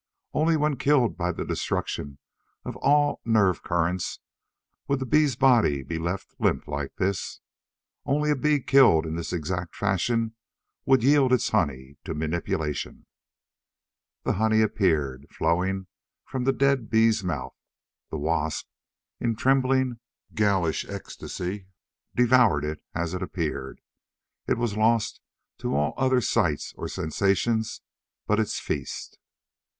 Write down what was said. Only when killed by the destruction of all nerve currents would the bee's body be left limp like this. Only a bee killed in this exact fashion would yield its honey to manipulation. The honey appeared, flowing from the dead bee's mouth. The wasp, in trembling, ghoulish ecstasy, devoured it as it appeared. It was lost to all other sights or sensations but its feast.